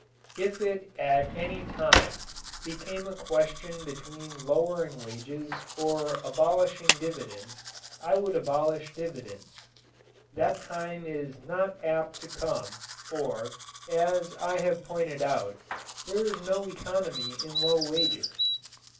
If it at any time became a question between lowering wages or abolishing dividends, I would abolish dividends. That time is not apt to come, for, as I have pointed out, there is no economy in low wages.